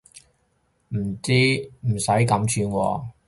唔洗咁串喎